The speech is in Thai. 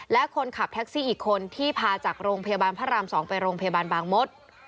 และคนขับแท็กซี่อีกคนที่พาจากโรงพยาบาลพระราม๒ไปโรงพยาบาลบางมด